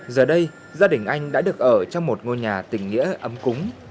giờ đây gia đình anh đã được ở trong một ngôi nhà tình nghĩa ấm cúng